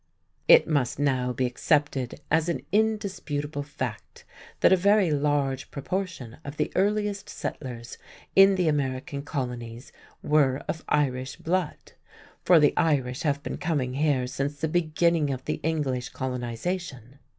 It must now be accepted as an indisputable fact that a very large proportion of the earliest settlers in the American colonies were of Irish blood, for the Irish have been coming here since the beginning of the English colonization.